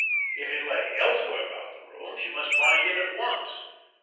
If it lay elsewhere about the room, she must find it at once.